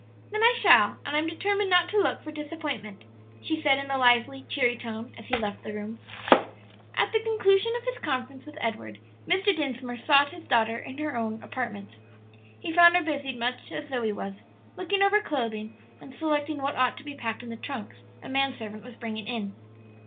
"Then I shall; and I'm determined not to look for disappointment," she said, in a lively, cheery tone, as he left the room, At the conclusion of his conference with Edward, Mr. Dinsmore sought his daughter in her own apartments. He found her busied much as Zoe was, looking over clothing and selecting what ought to be packed in the trunks a man servant was bringing in.